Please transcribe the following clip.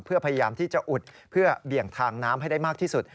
เพื่อพยายามที่จะอุดเพื่อเบี่ยงทางน้ำให้ได้มากที่สุด